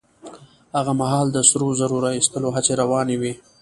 هغه مهال د سرو زرو را ايستلو هڅې روانې وې.